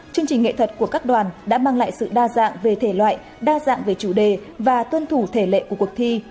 chương trình nghệ thuật của các đoàn đã mang lại sự đa dạng về thể loại đa dạng về chủ đề và tuân thủ thể lệ của cuộc thi